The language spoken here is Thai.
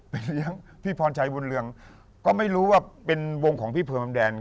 พี่พลชัยบุญเรืองก็ไม่รู้ว่าเป็นวงของพี่เซิร์มมดรรณ